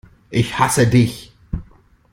Ich hasse dich!